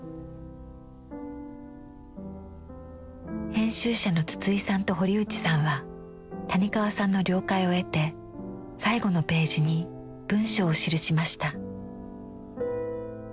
編集者の筒井さんと堀内さんは谷川さんの了解を得て最後のページに文章を記しました。